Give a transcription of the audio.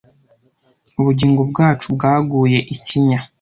Ubugingo bwacu bgaguye ikinya.